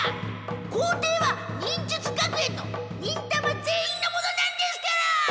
校庭は忍術学園の忍たま全員のものなんですから！